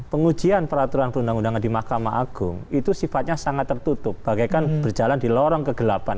pengujian peraturan perundang undangan di mahkamah agung itu sifatnya sangat tertutup bagaikan berjalan di lorong kegelapan